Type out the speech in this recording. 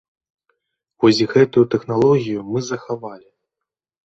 Вось гэтую тэхналогію мы захавалі.